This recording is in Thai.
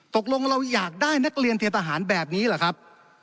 ตกลงเราอยากได้นักเรียนเตรียมทหารแบบนี้เหรอครับ